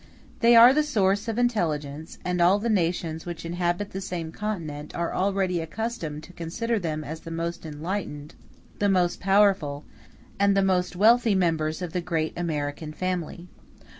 They are the source of intelligence, and all the nations which inhabit the same continent are already accustomed to consider them as the most enlightened, the most powerful, and the most wealthy members of the great American family.